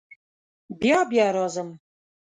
بیا بیا راځم.